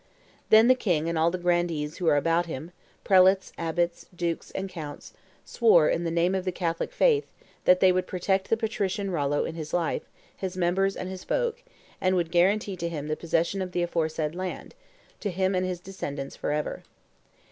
Then the king and all the grandees who were about him, prelates, abbots, dukes, and counts, swore, in the name of the Catholic faith, that they would protect the patrician Rollo in his life, his members, and his folk, and would guarantee to him the possession of the aforesaid land, to him and his descendants forever.